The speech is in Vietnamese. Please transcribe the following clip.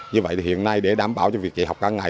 như vậy thì hiện nay để đảm bảo cho việc dạy học các ngày